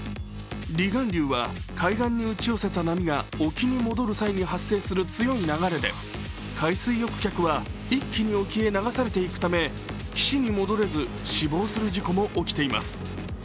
離岸流は海岸に打ち寄せた波が沖に戻る際に発生する強い流れで、海水浴客は一気に沖へ流されていくため岸に戻れず死亡する事故も起きています。